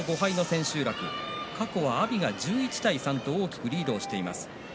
過去は阿炎が１１対３と大きくリードしています。